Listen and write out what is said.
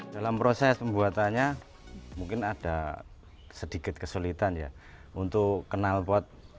dalam proses pembuatannya mungkin ada sedikit kesulitan ya untuk kenalpot